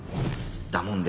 だもんで